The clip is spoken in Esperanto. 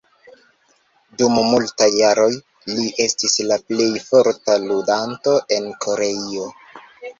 Dum multaj jaroj li estis la plej forta ludanto en Koreio.